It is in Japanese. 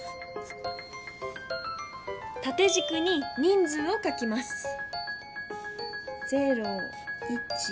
たてじくに人数を書きます。